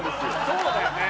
そうだよね。